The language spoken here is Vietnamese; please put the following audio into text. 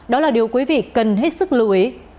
đó là điều quý vị cần hết sức lưu ý